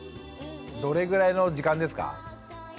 どれぐらいの時間ですか？